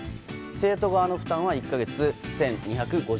生徒側の負担は１か月１２５０円。